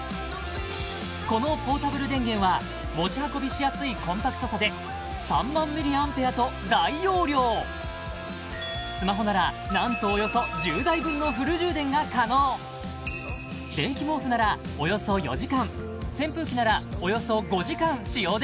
このポータブル電源は持ち運びしやすいコンパクトさで３万ミリアンペアと大容量スマホならなんとおよそ１０台分のフル充電が可能電気毛布ならおよそ４時間扇風機ならおよそ５時間使用できます